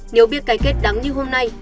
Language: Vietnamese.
nếu biết cái kết đắng như hôm nay